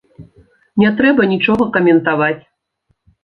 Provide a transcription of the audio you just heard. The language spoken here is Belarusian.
Не трэба нічога каментаваць.